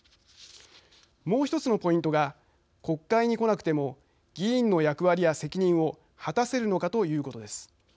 もう一つのポイントが国会に来なくても議員の役割や責任を果たせるのかということです。